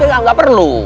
ayo butet gak perlu